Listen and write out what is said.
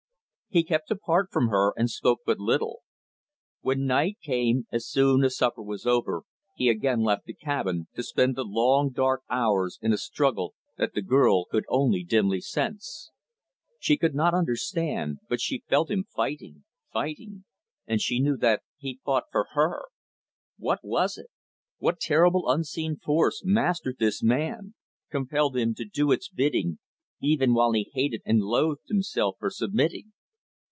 He kept apart from her, and spoke but little. When night came, as soon as supper was over, he again left the cabin, to spend the long, dark hours in a struggle that the girl could only dimly sense. She could not understand; but she felt him fighting, fighting; and she knew that he fought for her. What was it? What terrible unseen force mastered this man, compelled him to do its bidding, even while he hated and loathed himself for submitting?